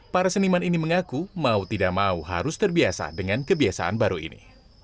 para seniman ini mengaku mau tidak mau harus terbiasa dengan kebiasaan baru ini